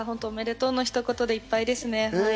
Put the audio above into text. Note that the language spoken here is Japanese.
おめでとうのひと言でいっぱいです。